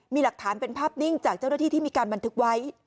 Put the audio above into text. มีหลักฐานเป็นภาพนิ่งจากเจ้าหน้าที่ที่มีการบันทึกไว้